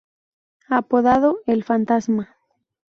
Apodado "El Fantasma".